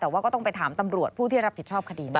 แต่ว่าก็ต้องไปถามตำรวจผู้ที่รับผิดชอบคดีบ้าง